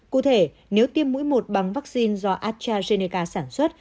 cụ thể nếu tiêm mũi một bằng vaccine do astrazeneca sản xuất